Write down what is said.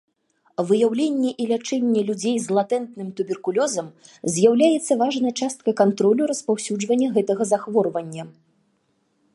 Выяўленне і лячэнне людзей з латэнтным туберкулёзам з'яўляецца важнай часткай кантролю распаўсюджання гэтага захворвання.